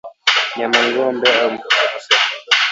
Nyama ngombe au mbuzi nusu ya kilo